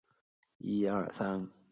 纳业湾遗址的历史年代为唐汪式。